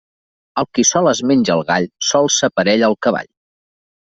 El qui sol es menja el gall sol s'aparella el cavall.